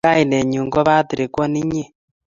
kanenyun ko patrick ko ni inye